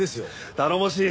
頼もしい！